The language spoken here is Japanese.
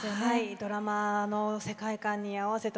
ドラマの世界観に合わせて